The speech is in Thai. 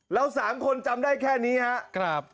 เราสามคนจำได้แค่นี้ครับครับ